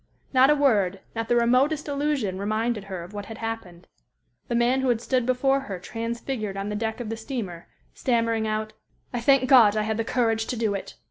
Not a word, not the remotest allusion reminded her of what had happened. The man who had stood before her transfigured on the deck of the steamer, stammering out, "I thank God I had the courage to do it!"